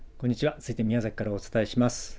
続いて宮崎からお伝えします。